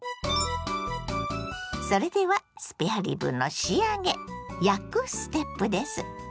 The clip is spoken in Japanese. それではスペアリブの仕上げ「焼く」ステップです。